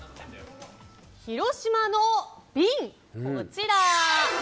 広島の“瓶”こちら。